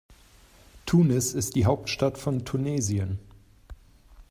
Tunis ist die Hauptstadt von Tunesien.